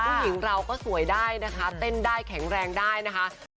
ผู้หญิงเราก็สวยได้นะคะเต้นได้แข็งแรงได้นะคะ